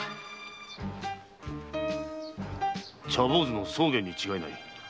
茶坊主の宗玄に違いない。